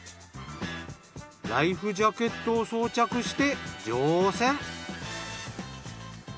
ライフジャケットを装着して乗船。